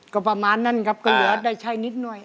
ก็ประมาณนั้นครับก็เหลือได้ใช้นิดหน่อย